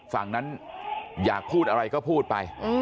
ฝั่งนั้นอยากพูดอะไรก็พูดไป